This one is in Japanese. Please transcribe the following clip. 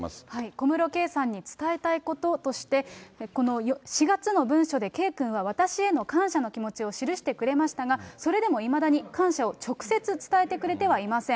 小室圭さんに伝えたいこととしてこの４月の文書で圭君は私への感謝の気持ちを記してくれましたが、それでもいまだに感謝を直接伝えてくれてはいません。